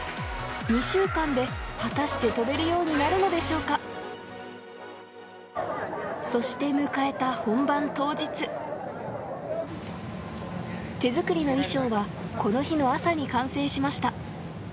２週間で果たして飛べるようになるのでしょうかそして迎えた本番当日手作りの衣装はこの日の朝に完成しました